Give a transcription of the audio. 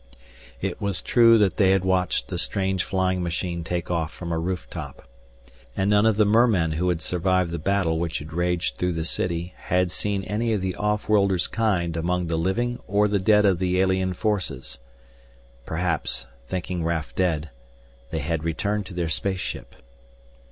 It was true that they had watched the strange flying machine take off from a roof top. And none of the mermen who had survived the battle which had raged through the city had seen any of the off worlder's kind among the living or the dead of the alien forces. Perhaps, thinking Raf dead, they had returned to their space ship.